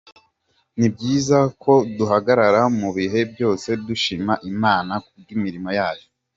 Ni byiza ko duhagararana mu bihe byose dushima Imana ku bw’imirimo yayo.